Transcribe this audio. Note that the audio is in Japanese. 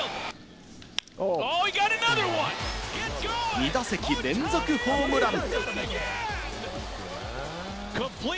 ２打席連続ホームラン。